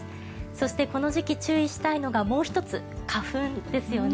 そしてこの時期、注意したいのがもう１つ、花粉ですよね。